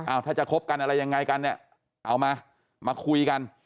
เอาถ้าจะคบกันอะไรยังไงกันเนี่ยเอามามาคุยกัน